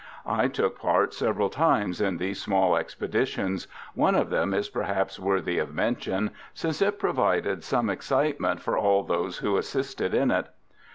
I took part several times in these small expeditions. One of them is perhaps worthy of mention, since it provided some excitement for all those who assisted in it.